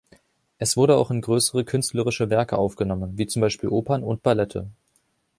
Es wurde auch in größere künstlerische Werke aufgenommen, wie zum Beispiel Opern und Ballette.